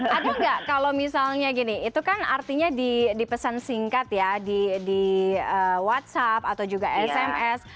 atau enggak kalau misalnya gini itu kan artinya dipesan singkat ya di whatsapp atau juga sms